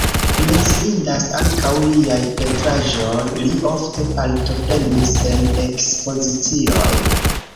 Menciindas ankaŭ liaj pentraĵoj, li ofte partoprenis en ekspozicioj.